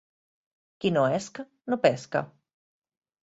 Qui no esca no pesca.